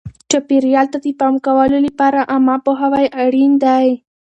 چاپیریال ته د پام کولو لپاره عامه پوهاوی اړین دی.